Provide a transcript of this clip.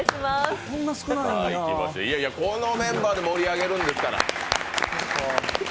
このメンバーで盛り上がるんですから。